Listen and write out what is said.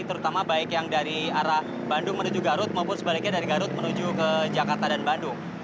terutama baik yang dari arah bandung menuju garut maupun sebaliknya dari garut menuju ke jakarta dan bandung